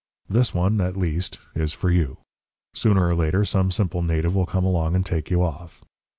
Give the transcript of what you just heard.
This one at least is for you. Sooner or later some simple native will come along and take you off.